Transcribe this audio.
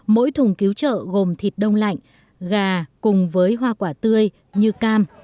mỗi thùng cứu trợ gồm thịt đông lạnh gà cùng với hoa quả tươi như cam